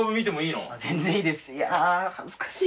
全然いいです。